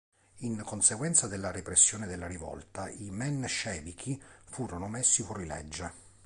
In conseguenza della repressione della rivolta, i menscevichi furono messi fuori legge.